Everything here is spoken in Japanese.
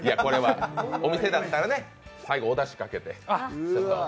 お店だったらね、最後、おだしかけて。